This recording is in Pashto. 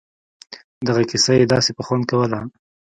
دغه کيسه يې داسې په خوند کوله.